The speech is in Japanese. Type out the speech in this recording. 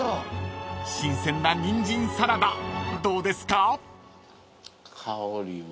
［新鮮なにんじんサラダどうですか？］